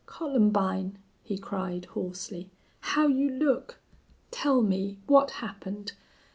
"Columbine!" he cried, hoarsely. "How you look!... Tell me. What happened?